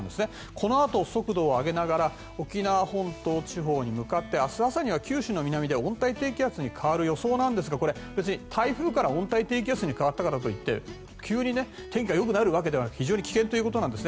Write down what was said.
このあと、速度を上げながら沖縄本島地方に向かって明日朝には九州の南で温帯低気圧に変わる予想なんですが別に台風から温帯低気圧に変わったからといって急に天気が良くなるわけじゃなく危険だということです。